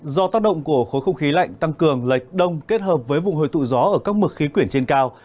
do tác động của khối không khí lạnh tăng cường lệch đông kết hợp với vùng hồi tụ gió ở các mực khí quyển trên cao